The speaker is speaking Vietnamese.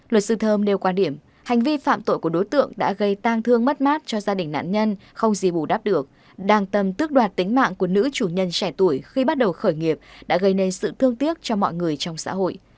luật sư thơm nêu quan điểm hành vi phạm tội của đối tượng đã gây tang thương mất mát cho gia đình nạn nhân không gì bù đắp được đang tâm tước đoạt tính mạng của nữ chủ nhân trẻ tuổi khi bắt đầu khởi nghiệp đã gây nên sự thương tiếc cho mọi người trong xã hội